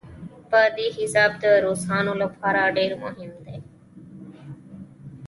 په دې حساب د روسانو لپاره ډېر مهم دی.